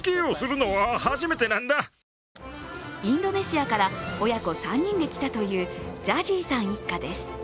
インドネシアから親子３人で来たというジャジーさん一家です。